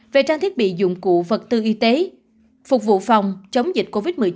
về trang thiết bị dụng cụ vật tư y tế phục vụ phòng chống dịch covid một mươi chín